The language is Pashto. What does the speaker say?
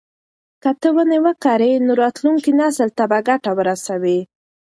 که ته ونې وکرې نو راتلونکي نسل ته به ګټه ورسوي.